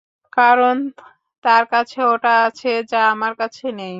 কারন, তার কাছে ওটা আছে যা আমার কাছে নেই।